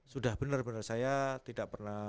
sudah benar benar saya tidak pernah